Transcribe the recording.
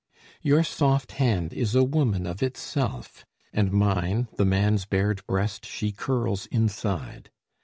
Your soft hand is a woman of itself, And mine, the man's bared breast she curls inside.